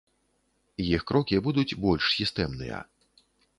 Іх крокі будуць больш сістэмныя.